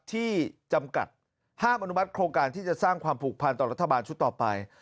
ที่จำกัดห้ามอนุมัติโครงการที่จะสร้างความผูกพันต่อรัฐบาลชุดต่อไป